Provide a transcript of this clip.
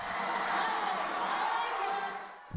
di paru pertandingan setiai bp unggul empat belas dua puluh sembilan